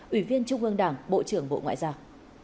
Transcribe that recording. ủy viên trung ương đảng bộ trưởng bộ ngoại giao